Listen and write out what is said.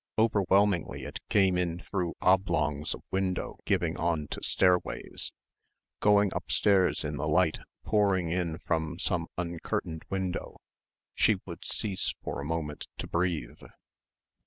Overwhelmingly it came in through oblongs of window giving on to stairways. Going upstairs in the light pouring in from some uncurtained window, she would cease for a moment to breathe.